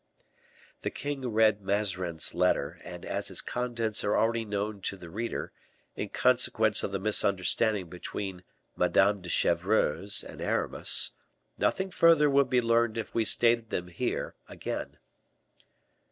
The king read Mazarin's letter, and, as its contents are already known to the reader, in consequence of the misunderstanding between Madame de Chevreuse and Aramis, nothing further would be learned if we stated them here again.